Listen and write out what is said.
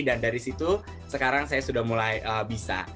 dan dari situ sekarang saya sudah mulai bisa